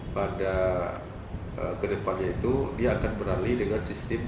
pada kedepannya itu dia akan beralih dengan sistem